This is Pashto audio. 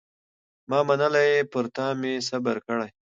ما منلی یې پر تا مي صبر کړی